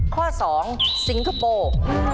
ข้อสองซิงคโปร์